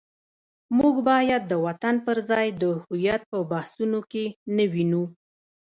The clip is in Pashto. موږ باید د وطن پر ځای د هویت په بحثونو کې نه ونیو.